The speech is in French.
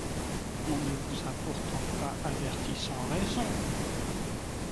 On ne vous a pourtant pas avertis sans raison.